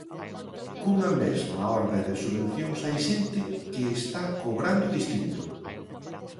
Cunha mesma orde de subvencións hai xente que está cobrando distinto.